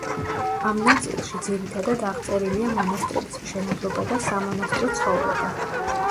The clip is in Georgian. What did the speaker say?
ამ ნაწილში ძირითადად აღწერილია მონასტრების მშენებლობა და სამონასტრო ცხოვრება.